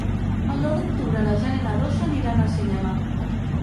El nou d'octubre na Jana i na Dolça aniran al cinema.